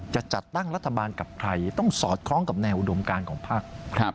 จะจัดตั้งรัฐบาลกับใครต้องสอดคล้องกับแนวอุดมการของภักดิ์